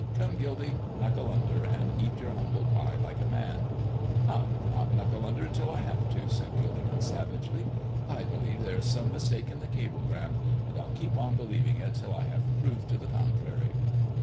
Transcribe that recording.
Come, Gildy, knuckle under and eat your humble pie like a man." "I'll not knuckle under till I have to," said Gilderman, savagely. "I believe there is some mistake in the cablegram, and I'll keep on believing it till I have proof to the contrary."